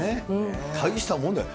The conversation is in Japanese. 大したもんだよ。